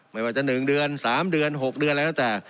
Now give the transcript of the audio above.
ไม่ว่าจะหนึ่งเดือนสามเดือนหกเดือนอะไรแล้วแต่